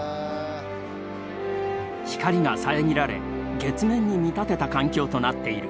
光が遮られ月面に見立てた環境となっている。